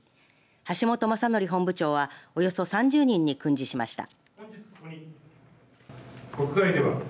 橋本昌典本部長はおよそ３０人に訓示しました。